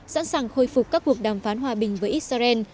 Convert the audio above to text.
sẵn sàng khôi phục các cuộc đàm phán hòa bình với israel